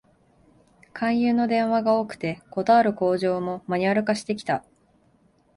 勧誘の電話が多くて、断る口上もマニュアル化してきた